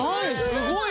すごい！